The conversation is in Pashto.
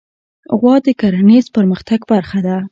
غوا د کرهڼیز پرمختګ برخه ده.